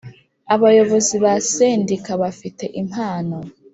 Abayobozi ba Sendika bafite impano